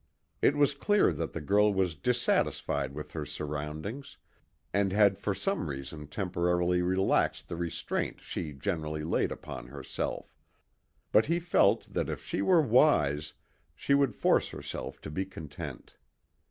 It was clear that the girl was dissatisfied with her surroundings, and had for some reason temporarily relaxed the restraint she generally laid upon herself; but he felt that if she were wise, she would force herself to be content.